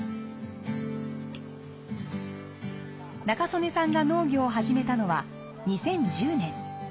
仲宗根さんが農業を始めたのは２０１０年。